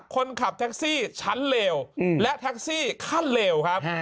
คนขับแท็กซี่ชั้นเลวและแท็กซี่ขั้นเลวครับ